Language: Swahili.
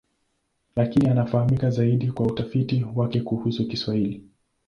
Lakini anafahamika zaidi kwa utafiti wake kuhusu Kiswahili.